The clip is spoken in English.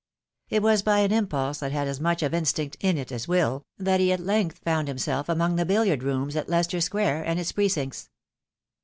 It was by an impulse that had as much of instinct in it as will, that he at length found himself among the billiard rooms of Leicester Square and its precincts.